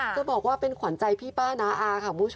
จะบอกว่าเป็นขวัญใจพี่ป้าน้าอาค่ะ